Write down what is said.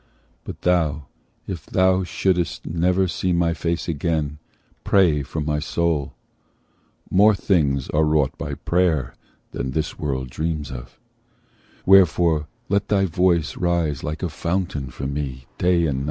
but thou, If thou shouldst never see my face again, Pray for my soul. More things are wrought by prayer Than this world dreams of. Wherefore, let thy voice Rise like a fountain for me night and day.